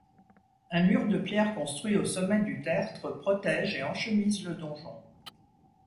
Un mur de pierre construit au sommet du tertre protège et enchemise le donjon.